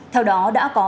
theo đó đã có